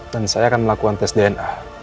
dan saya akan melakukan tes dna